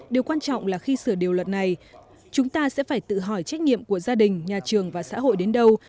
điều quan trọng là khi sửa điều luật này chúng ta sẽ phải tự hỏi trách nhiệm của gia đình nhà trường và xã hội đến đâu